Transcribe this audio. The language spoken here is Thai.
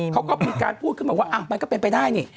เขาก็มีการพูดขึ้นมาว่ามันก็เป็นไปได้นี่